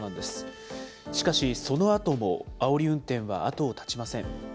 しかしそのあともあおり運転は後を絶ちません。